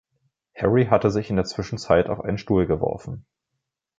Harry hatte sich in der Zwischenzeit auf einen Stuhl geworfen.